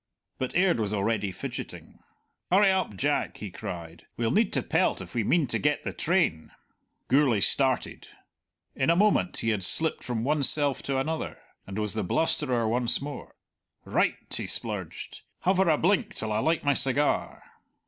But Aird was already fidgeting. "Hurry up, Jack," he cried; "we'll need to pelt if we mean to get the train." Gourlay started. In a moment he had slipped from one self to another, and was the blusterer once more. "Right!" he splurged. "Hover a blink till I light my cigar."